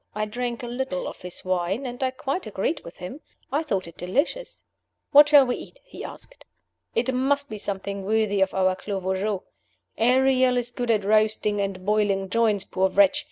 I drank a little of his wine, and I quite agreed with him. I thought it delicious. "What shall we eat?" he asked. "It must be something worthy of our Clos Vougeot. Ariel is good at roasting and boiling joints, poor wretch!